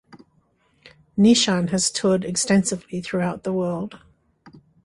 Neeshan has toured extensively throughout the world.